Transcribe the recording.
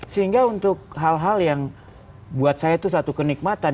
sehingga untuk hal hal yang buat saya itu suatu kenikmatan